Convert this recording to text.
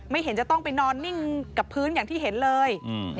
เห็นจะต้องไปนอนนิ่งกับพื้นอย่างที่เห็นเลย